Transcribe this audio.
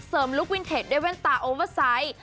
เสริมลูกวินเทจด้วยแว่นตาออเวอร์ไซด์